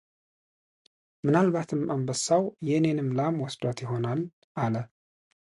ምናልባትም አንበሳው የእኔንም ላም ወስዷት ይሆናል አለ፡፡